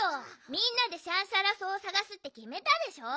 みんなでシャンシャラ草をさがすってきめたでしょ。